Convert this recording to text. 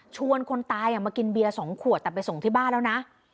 คนตายมากินเบียร์๒ขวดแต่ไปส่งที่บ้านแล้วนะ